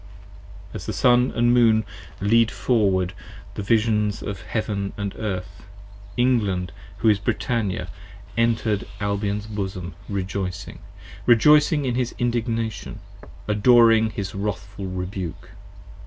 As the Sun & Moon lead forward the Visions of Heaven & Earth England, who is Brittannia, enter'd Albion's bosom rejoicing, Rejoicing in his indignation, adoring his wrathful rebuke.